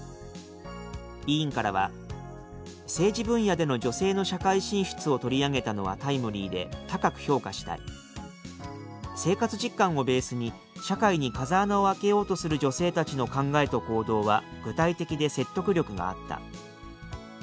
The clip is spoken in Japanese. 委員からは「政治分野での女性の社会進出を取り上げたのはタイムリーで高く評価したい」「生活実感をベースに社会に風穴を開けようとする女性たちの考えと行動は具体的で説得力があった」